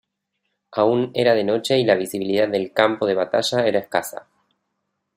Aún era de noche y la visibilidad del campo de batalla era escasa.